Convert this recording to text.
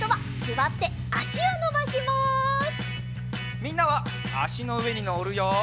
みんなはあしのうえにのるよ。